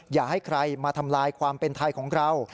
อย่าให้ใครมาทำลายความเป็นไทยของเรา